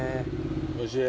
おいしい。